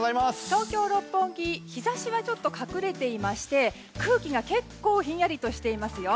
東京・六本木、日差しはちょっと隠れていまして空気が結構ひんやりとしていますよ。